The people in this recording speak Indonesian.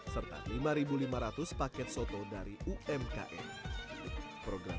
serta lima lima ratus paket soto dari umkm